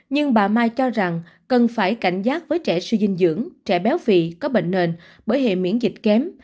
nhưng bà mai cho rằng cần phải cảnh giác với trẻ suy dinh dưỡng trẻ béo phì có bệnh nền bởi hệ miễn dịch kém